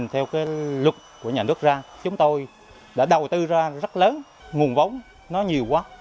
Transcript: theo cái luật của nhà nước ra chúng tôi đã đầu tư ra rất lớn nguồn vốn nó nhiều quá